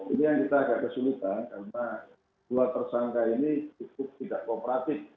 ini yang kita agak kesulitan karena dua tersangka ini cukup tidak kooperatif